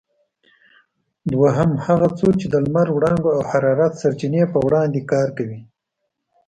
دوهم: هغه څوک چې د لمر وړانګو او حرارت سرچینې په وړاندې کار کوي؟